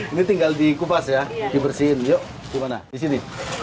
ini tinggal dikupas ya dibersihin yuk gimana disini